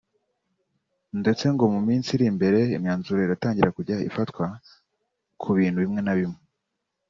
ndetse ngo mu minsi iri imbere imyanzuro iratangira kujya ifatwa ku bintu bimwe na bimwe